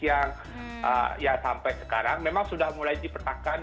yang ya sampai sekarang memang sudah mulai dipertahankan